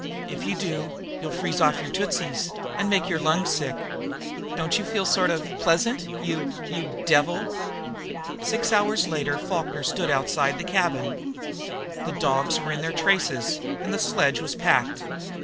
If you do, you'll freeze off your tootsies, and make your lungs sick. Don't you feel sort of pleasant you you devil!" Six hours later Falkner stood outside the cabin. The dogs were in their traces, and the sledge was packed.